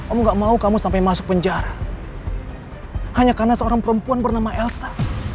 kamu gak mau kamu sampai masuk penjara hanya karena seorang perempuan bernama elsa